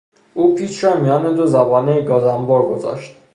او پیچ را میان دو زبانهی گازانبر گذاشت.